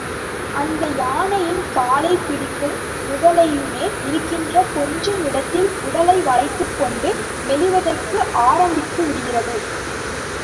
அந்த யானையின் காலைப் பிடிக்கும் முதலையுமே இருக்கின்ற கொஞ்ச இடத்தில் உடலை வளைத்துக் கொண்டு நெளிவதற்கு ஆரம்பித்து விடுகிறது.